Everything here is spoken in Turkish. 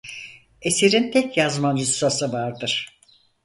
Eserin tek yazma nüshası vardır.